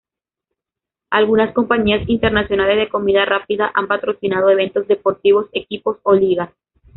Algunas compañías internacionales de comida rápida han patrocinado eventos deportivos, equipos o ligas.